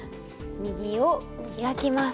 右を開きます。